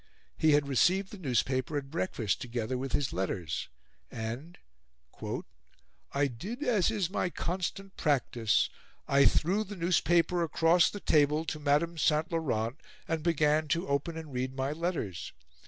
He had received the newspaper at breakfast together with his letters, and "I did as is my constant practice, I threw the newspaper across the table to Madame St. Laurent, and began to open and read my letters.